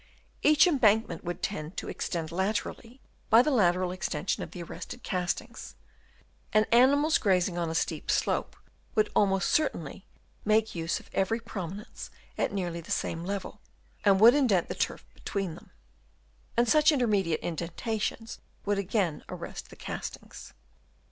Each embankment would tend to extend laterally by the lateral extension of the arrested castings; and animals grazing on a steep slope would almost certainly make use Chap. VI. LEDGES ON HILL SIDES. 285 of every prominence at nearly the same level, and would indent the turf between them ; and such intermediate indentations would again arrest the castings.